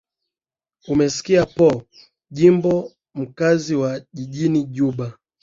umemsikia po jimbo mkaazi wa jijini juba